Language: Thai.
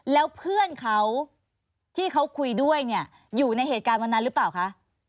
แล้วเพื่อนเขาที่เขาคุยด้วยเนี่ยอยู่ในเหตุการณ์วันนั้นหรือเปล่าคะ